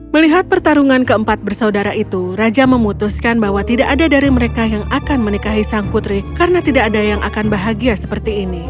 melihat pertarungan keempat bersaudara itu raja memutuskan bahwa tidak ada dari mereka yang akan menikahi sang putri karena tidak ada yang akan bahagia seperti ini